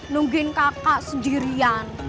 nungguin kakak sendirian